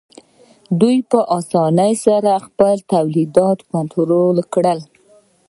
دوی په اسانۍ سره خپل تولیدات کنټرول کړل